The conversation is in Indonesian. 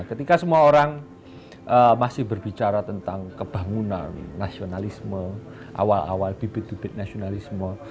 ketika semua orang masih berbicara tentang kebangunan nasionalisme awal awal bibit bibit nasionalisme